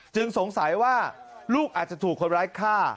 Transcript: สงสัยว่าลูกอาจจะถูกคนร้ายฆ่า